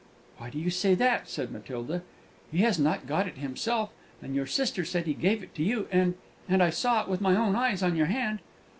"Why do you say that?" said Matilda. "He has not got it himself, and your sister said he gave it to you, and and I saw it with my own eyes on your hand!"